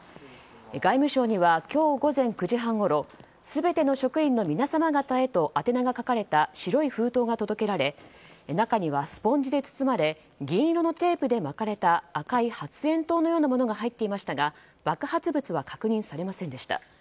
外務省には今日午前９時半ごろ「すべての職員の皆様方へ」と宛名が書かれた白い封筒が届けられ中にはスポンジで包まれ銀色のテープで巻かれた赤い発煙筒のようなものが入っていましたが爆発物は確認されませんでした。